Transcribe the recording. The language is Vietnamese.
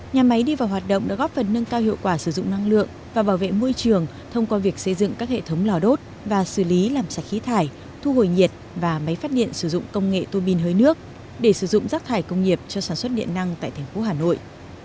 nhà máy đi vào hoạt động đã góp phần nâng cao hiệu quả sử dụng năng lượng và bảo vệ môi trường thông qua việc xây dựng các hệ thống lò đốt và xử lý làm sạch khí thải thu hồi nhiệt và máy phát điện sử dụng công nghệ tô bin hơi nước để sử dụng rác thải công nghiệp cho sản xuất điện năng tại thành phố hà nội